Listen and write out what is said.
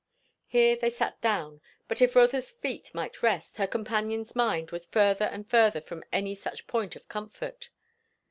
Here they sat down; but if Rotha's feet might rest, her companion's mind was further and further from any such point of comfort.